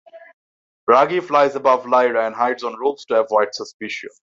Ragi flies above Lyra and hides on roofs to avoid suspicion.